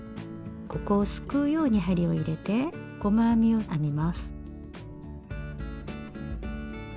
ここをすくうように針を入れて細編みを編みます。